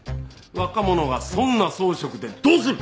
若者がそんな草食でどうする？